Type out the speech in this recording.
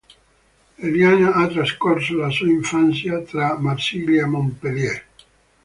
Eliane ha trascorso la sua infanzia tra Marsiglia e Montpellier.